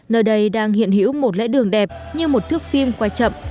nơi đây đang hiện hữu một lễ đường đẹp như một thước phim quay chậm